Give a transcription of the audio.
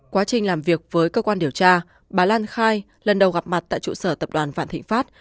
quá trình làm việc với cơ quan điều tra bà lan khai lần đầu gặp mặt tại trụ sở tập đoàn vạn thịnh pháp